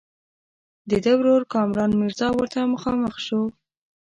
د ده ورور کامران میرزا ورته مخامخ شو.